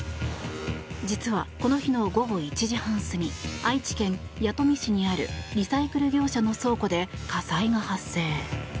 実は、この日の午後１時半過ぎ愛知県弥富市にあるリサイクル業者の倉庫で火災が発生。